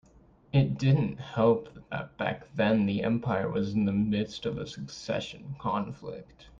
It didn't help that back then the empire was in the midst of a succession conflict.